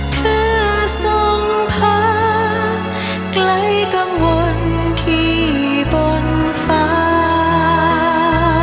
เพื่อส่งพักไกลกังวลที่บนฟ้า